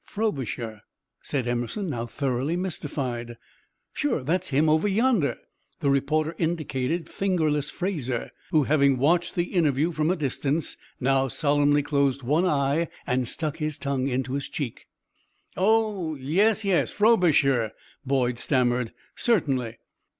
"Frobisher!" said Emerson, now thoroughly mystified. "Sure, that's him, over yonder." The reporter indicated "Fingerless" Fraser, who, having watched the interview from a distance, now solemnly closed one eye and stuck his tongue into his cheek. "Oh, yes, yes! Frobisher!" Boyd stammered. "Certainly!"